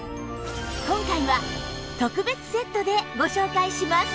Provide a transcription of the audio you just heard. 今回は特別セットでご紹介します！